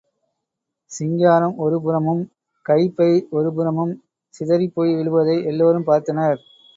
சிங்காரம் ஒருபுறமும், கைப்பை ஒரு புறமும் சிதறிப் போய் விழுவதை எல்லோரும் பார்த்தனர்.